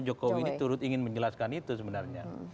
jokowi ini turut ingin menjelaskan itu sebenarnya